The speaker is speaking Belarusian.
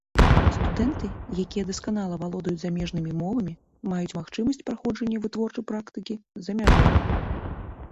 Студэнты, якія дасканала валодаюць замежнымі мовамі, маюць магчымасць праходжання вытворчай практыкі за мяжой.